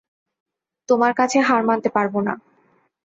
তোমার কাছে হার মানতে পারব না।